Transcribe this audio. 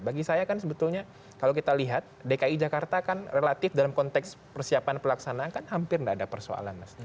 bagi saya kan sebetulnya kalau kita lihat dki jakarta kan relatif dalam konteks persiapan pelaksanaan kan hampir tidak ada persoalan mas